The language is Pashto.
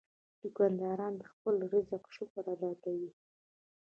دوکاندار د خپل رزق شکر ادا کوي.